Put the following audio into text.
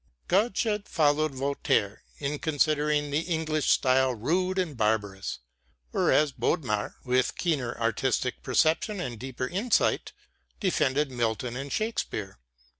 Gottsched followed Voltaire in considering the English style rude and barbarous; whereas Bodmer, with keener artistic perception and deeper insight, defended Milton and Shakespeare.